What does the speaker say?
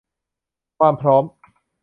ความพร้อม